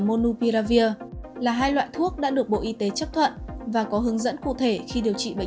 monu piravir là hai loại thuốc đã được bộ y tế chấp thuận và có hướng dẫn cụ thể khi điều trị bệnh